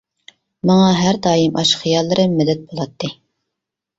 ماڭا ھەر دائىم ئاشۇ خىياللىرىم مەدەت بولاتتى.